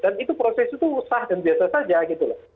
dan itu proses itu sah dan biasa saja gitu loh